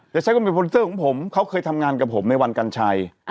แต่ใช่ก็เป็นโปรดิวเซอร์ของผมเขาเคยทำงานกับผมในวันกันชัย